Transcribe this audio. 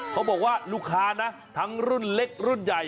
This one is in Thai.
เขาบอกว่าลูกค้านะทั้งรุ่นเล็กรุ่นใหญ่